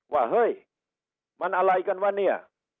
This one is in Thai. ว่าเฮ้ยมันอะไรกันวะเนี่ย